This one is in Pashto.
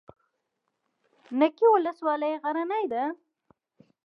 نکې ولسوالۍ غرنۍ ده؟